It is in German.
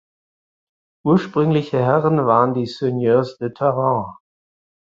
Ursprüngliche Herren waren die Seigneurs de Taran.